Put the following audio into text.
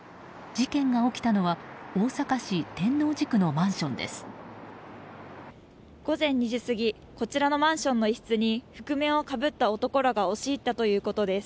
事件が起きたのは大阪市天王寺区のマンションです。